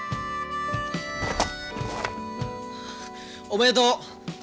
おめでとう。